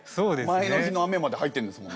前の日の雨まで入ってんですもんね。